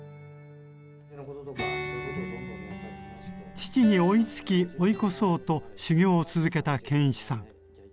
父に追いつき追い越そうと修業を続けた建一さん。